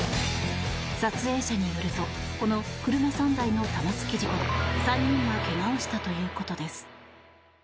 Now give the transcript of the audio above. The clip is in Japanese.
撮影者によるとこの車３台の玉突き事故で３人が怪我をしたということです。